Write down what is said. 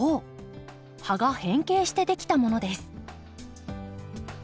葉が変形してできたものです。